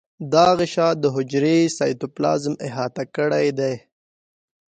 دا غشا د حجرې سایتوپلازم احاطه کړی دی.